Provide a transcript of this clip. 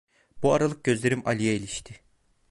Bu aralık gözlerim Ali'ye ilişti.